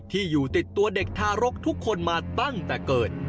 ที่อยู่ติดตัวเด็กทารกทุกคนมาตั้งแต่เกิด